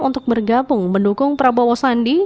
untuk bergabung mendukung prabowo sandi